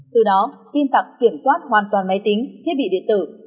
từ đó tin tặc kiểm soát hoàn toàn máy tính thiết bị điện tử